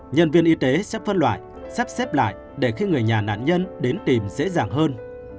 nhân viên y tế sẽ phân loại sắp xếp lại để khi người nhà nạn nhân đến tìm dễ dàng hơn